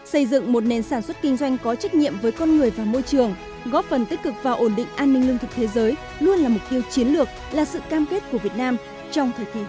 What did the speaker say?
xây dựng một nền sản xuất kinh doanh có trách nhiệm với con người và môi trường góp phần tích cực và ổn định an ninh lương thực thế giới luôn là mục tiêu chiến lược là sự cam kết của việt nam trong thời kỳ mới